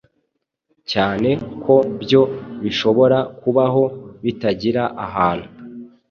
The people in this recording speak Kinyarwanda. cyane ko byo bishobora kubaho bitagira abantu,